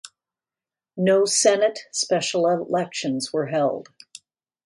No Senate special elections were held.